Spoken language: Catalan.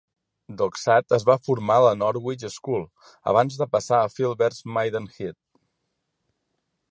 Doxat es va formar a la Norwich School abans de passar a Philberd's, Maidenhead.